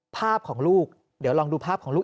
ภาพของลูกเดี๋ยวลองดูภาพของลูก